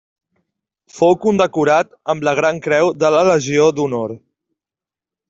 Fou condecorat amb la Gran Creu de la Legió d'Honor.